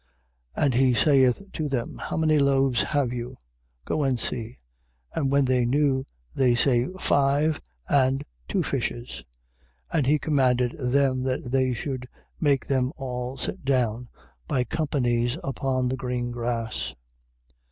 6:38. And he saith to them: How many loaves have you? go and see. And when they knew, they say: Five, and two fishes. 6:39. And he commanded them that they should make them all sit down by companies upon the green grass.